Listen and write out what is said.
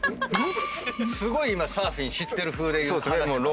すごい今サーフィン知ってるふうで話してた。